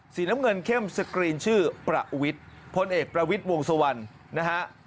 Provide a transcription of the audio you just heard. สีน้ำเงินเข้มสกรีนชื่อประวิทย์พลเอกประวิทย์วงสุวรรณนะฮะ